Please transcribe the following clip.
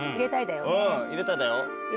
入れたいだよね。